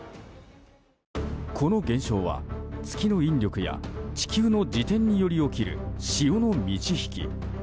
この現象は月の引力や地球の自転により起きる潮の満ち引き。